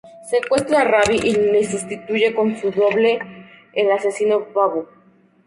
Secuestra a Ravi y le sustituye con su doble el asesino Babu.